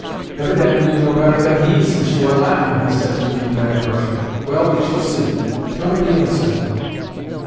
"Evidently you know better than he, since you are laughing," he said to me in bad Russian. "Well, we shall see. Tell me the answer, then."